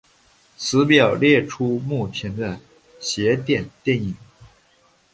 此表列出目前的邪典电影。